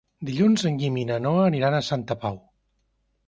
Dilluns en Guim i na Noa aniran a Santa Pau.